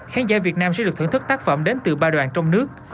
khán giả việt nam sẽ được thưởng thức tác phẩm đến từ ba đoàn trong nước